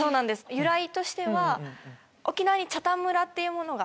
由来としては沖縄に北谷村っていうものが。